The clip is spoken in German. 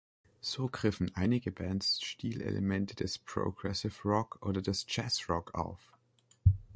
So griffen einige Bands Stilelemente des Progressive Rock oder des Jazzrock auf.